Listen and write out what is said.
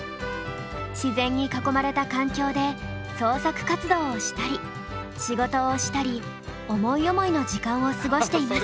自然に囲まれた環境で創作活動をしたり仕事をしたり思い思いの時間を過ごしています。